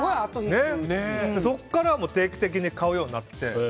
そこからは定期的に買うようになって。